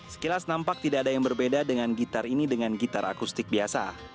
sekilas nampak tidak ada yang berbeda dengan gitar ini dengan gitar akustik biasa